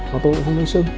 và tôi cũng không thấy sưng